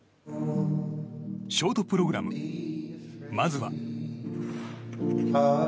ショートプログラムまずは。